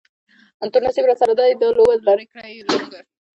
تور نصیب راسره کړې ده دا لوبه، لرې کړی یې له موږه سمندر دی